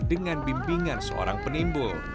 dengan bimbingan seorang penimbul